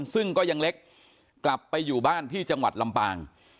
ซึ่งก็ยังเล็กกลับไปอยู่บ้านที่จังหวัดลำปาง